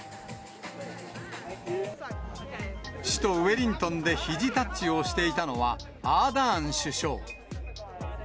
首都ウェリントンでひじタッチをしていたのは、アーダーン首相。